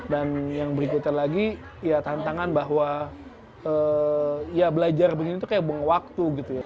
dan yang berikutnya lagi ya tantangan bahwa ya belajar begini itu kayak buang waktu gitu ya